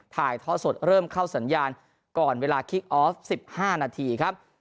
ถ่ายท่อสดเริ่มเข้าสัญญาณก่อนเวลาคิกออฟ๑๕นาทีครับ